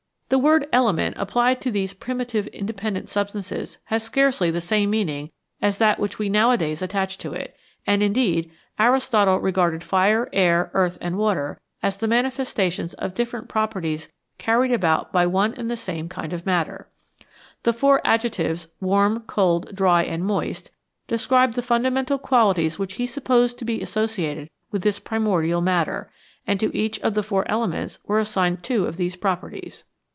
The word " element " applied to these primitive inde pendent substances has scarcely the same meaning as that which we nowadays attach to it, and indeed Aristotle regarded fire, air, earth, and water as the manifestation of different properties carried about by one and the same kind of matter. The four adjectives "warm," "cold," " dry," and " moist," describe the fundamental qualities which he supposed to be associated with this primordial matter, and to each of the four elements were assigned two of these properties.